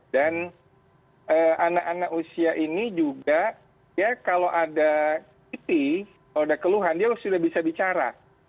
dan anak anak usia ini juga ya kalau ada tipi kalau ada keluhan dia sudah bisa bicara